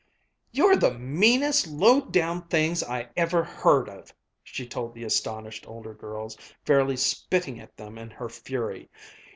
"You're the meanest low down things I ever heard of!" she told the astonished older girls, fairly spitting at them in her fury.